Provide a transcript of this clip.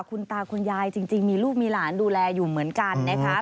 คุณตาคุณยายจริงมีลูกมีหลานดูแลอยู่เหมือนกันนะคะ